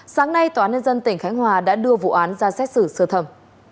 sáng nay tòa án nhân dân tỉnh khánh hòa đã đưa vụ án ra xét xử sơ thẩm